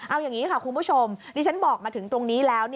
เอาอย่างนี้ค่ะคุณผู้ชมดิฉันบอกมาถึงตรงนี้แล้ว